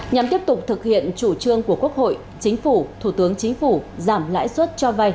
nhằm tiếp tục thực hiện chủ trương của quốc hội chính phủ thủ tướng chính phủ giảm lãi suất cho vay